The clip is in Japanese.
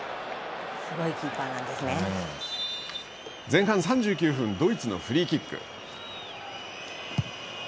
前半３９分ドイツのフリーキック。